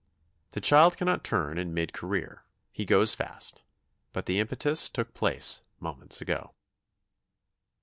The child cannot turn in mid career; he goes fast, but the impetus took place moments ago.